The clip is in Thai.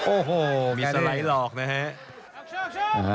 โอ้โหมีสไลด์หลอกนะฮะ